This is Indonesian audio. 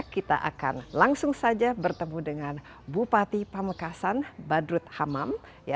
kita akan langsung saja bertemu dengan bupati pamekasan badrut hamam